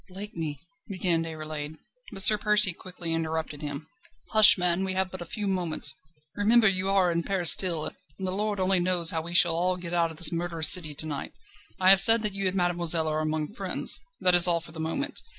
"Blakeney ..." began Déroulède. But Sir Percy quickly interrupted him: "Hush, man! we have but a few moments. Remember you are in Paris still, and the Lord only knows how we shall all get out of this murderous city to night. I have said that you and mademoiselle are among friends. That is all for the moment.